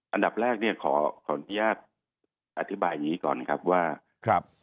อันดับแรกขออนุญาตอธิบายอย่างนี้ก่อนครับว่า